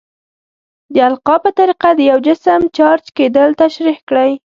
د القاء په طریقه د یو جسم چارج کیدل تشریح کړئ.